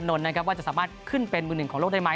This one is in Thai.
นนทนะครับว่าจะสามารถขึ้นเป็นมือหนึ่งของโลกได้ไหม